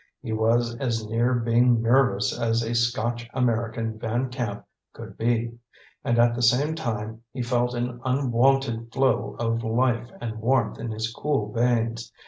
He was as near being nervous as a Scotch American Van Camp could be; and at the same time he felt an unwonted flow of life and warmth in his cool veins.